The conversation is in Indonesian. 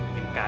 bikin kaget ah